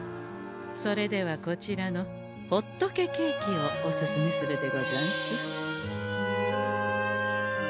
それではこちらのほっとけケーキをおすすめするでござんす。